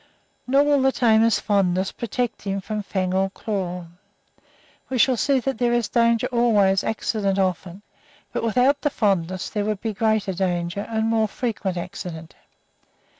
Nor will the tamer's fondness protect him from fang and claw. We shall see that there is danger always, accident often, but without the fondness there would be greater danger and more frequent accident.